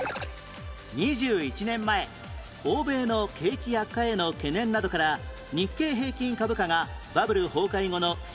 ２１年前欧米の景気悪化への懸念などから日経平均株価がバブル崩壊後の最安値を記録